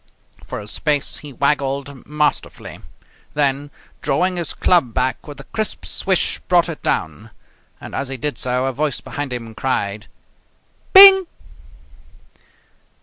For a space he waggled masterfully, then, drawing his club back with a crisp swish, brought it down. And, as he did so, a voice behind him cried: "Bing!"